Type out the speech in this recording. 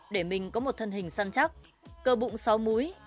để mình có một thân hình săn chắc cơ bụng xóa múi